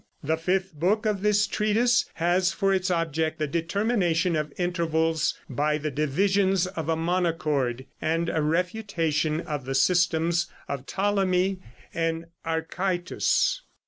The fifth book of this treatise has for its object the determination of intervals by the divisions of a monochord, and a refutation of the systems of Ptolemy and Archytas.